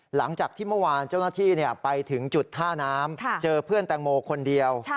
หลังจากที่เมื่อวานเจ้าหน้าที่ไปถึงจุดท่าน้ำเจอเพื่อนแตงโมคนเดียว